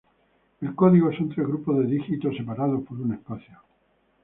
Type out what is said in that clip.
El código son tres grupos de dígitos separados por un espacio.